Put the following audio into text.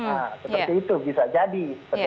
nah seperti itu bisa jadi